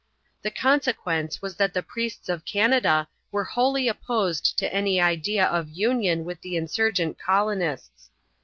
The consequence was that the priests of Canada were wholly opposed to any idea of union with the insurgent colonists.